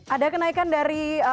ada kenaikan dari